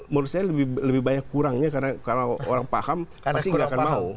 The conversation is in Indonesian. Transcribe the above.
menurut saya lebih banyak kurangnya karena orang paham pasti nggak akan mau